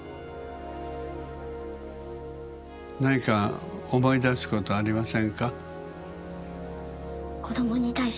何か思い出すことはありませんか？